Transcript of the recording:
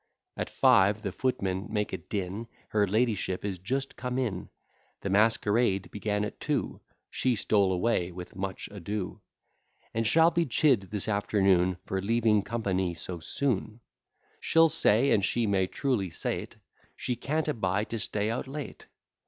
At five the footmen make a din, Her ladyship is just come in; The masquerade began at two, She stole away with much ado; And shall be chid this afternoon, For leaving company so soon: She'll say, and she may truly say't, She can't abide to stay out late.